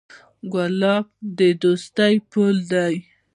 ګلاب د دوستۍ پُل دی.